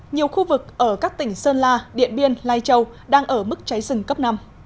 nhiều khu vực ở các tỉnh sơn la điện biên lai châu đang ở mức cháy rừng cấp năm